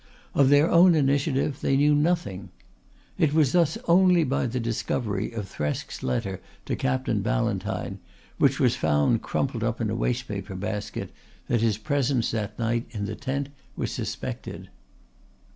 Of their own initiative they knew nothing. It was thus only by the discovery of Thresk's letter to Captain Ballantyne, which was found crumpled up in a waste paper basket, that his presence that night in the tent was suspected.